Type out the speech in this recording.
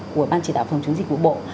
của ban chỉ đạo phòng chống dịch của bộ